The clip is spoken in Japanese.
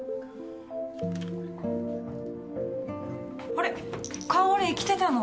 あれ香織来てたの？